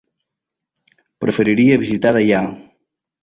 Preferiria visitar Deià.